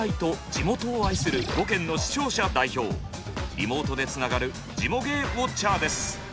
リモートでつながるジモ芸ウォッチャーです。